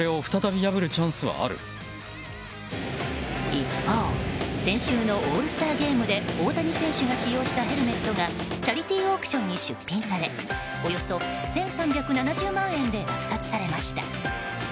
一方、先週のオールスターゲームで大谷選手が使用したヘルメットがチャリティーオークションに出品されおよそ１３７０万円で落札されました。